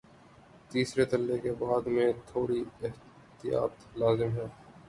تیسرے ترلے کے بارے میں تھوڑی احتیاط لازم ہے۔